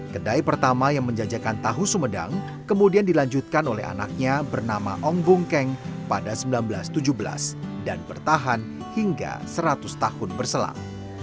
kedai pertama yang menjajakan tahu sumedang kemudian dilanjutkan oleh anaknya bernama ong bungkeng pada seribu sembilan ratus tujuh belas dan bertahan hingga seratus tahun berselang